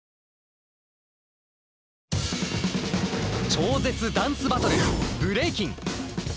「超絶！ダンスバトルブレイキン」。